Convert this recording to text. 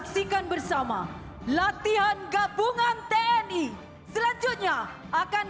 dan kemampuan terbuka